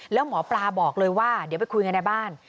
แล้วหมอปลาบอกเลยว่าเดี๋ยวไปคุยกันในบ้าน